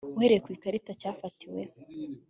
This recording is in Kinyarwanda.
uhereye ku itariki cyafatiweho